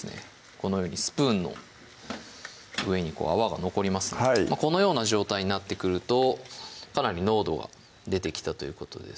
このようにスプーンの上に泡が残りますのでこのような状態になってくるとかなり濃度が出てきたということです